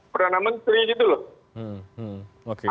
perana menteri gitu loh